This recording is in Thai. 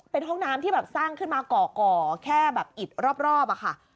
เป็นห้องน้ำที่แบบสร้างขึ้นมาก่อแค่แบบอิดรอบอะค่ะ